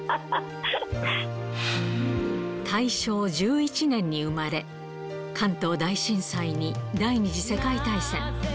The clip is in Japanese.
大正１１年に生まれ、関東大震災に第２次世界大戦。